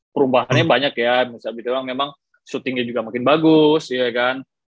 perubahannya banyak ya misalnya gitu kan memang shootingnya juga makin bagus ya kan